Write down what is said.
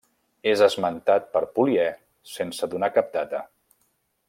És esmentat per Poliè sense donar cap data.